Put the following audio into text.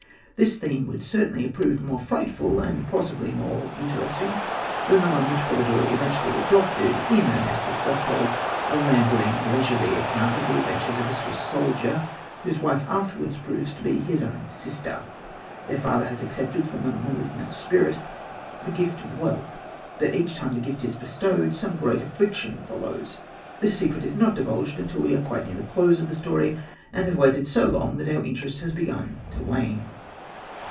This theme would certainly have proved more frightful and possibly more interesting than the one which Polidori eventually adopted in Ernestus Berchtold, a rambling, leisurely account of the adventures of a Swiss soldier, whose wife afterwards proves to be his own sister. Their father has accepted from a malignant spirit the gift of wealth, but each time that the gift is bestowed some great affliction follows. This secret is not divulged until we are quite near the close of the story, and have waited so long that our interest has begun to wane.